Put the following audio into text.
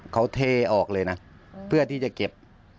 เขาเทออกเลยนะเพื่อที่จะเก็บ